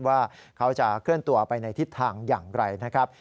ว่าเขาจะเคลื่อนตัวไปในทิศทางอย่างไรนะครับ